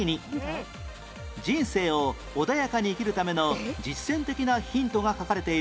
人生を穏やかに生きるための実践的なヒントが書かれている